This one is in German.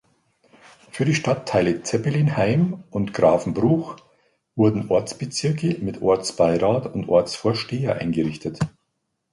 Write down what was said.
Für die Stadtteile Zeppelinheim und Gravenbruch wurden Ortsbezirke mit Ortsbeirat und Ortsvorsteher eingerichtet.